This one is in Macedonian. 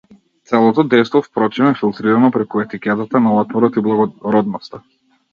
Целото дејство впрочем е филтритано преку етикетата на отпорот и благородноста.